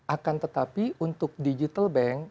akan tetapi untuk digital bank